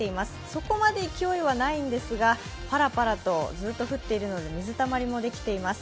そこまで勢いはないんですが、パラパラとずっと降っているので水たまりもできています。